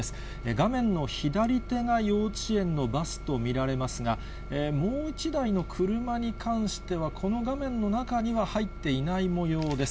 画面の左手が幼稚園のバスと見られますが、もう１台の車に関しては、この画面の中には入っていないもようです。